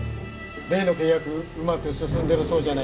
例の契約うまく進んでるそうじゃないですか。